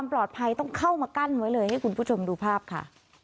ไม่ได้ไม่ได้